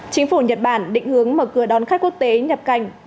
chính phủ nhật bản định hướng mở cửa đón khách quốc tế nhập cảnh